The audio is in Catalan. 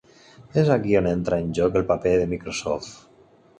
És aquí on entra en joc el paper de Microsoft.